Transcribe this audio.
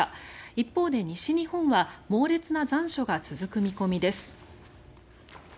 一方で西日本は猛烈な残暑が続く見込みです。